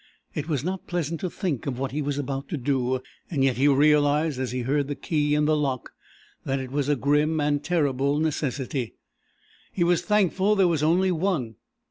It was not pleasant to think of what he was about to do, and yet he realized, as he heard the key in the lock, that it was a grim and terrible necessity. He was thankful there was only one.